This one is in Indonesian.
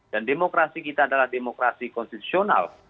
dan demokrasi kita adalah demokrasi konstitusional